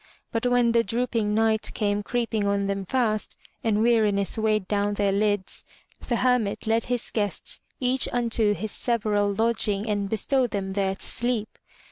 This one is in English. But when the drooping night came creeping on them fast, and weariness weighed down their lids, the Hermit led his guests each unto his several lodging and bestowed them there to sleep.